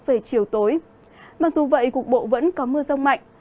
về chiều tối mặc dù vậy cục bộ vẫn có mưa rông mạnh